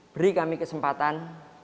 beri kami kesempatan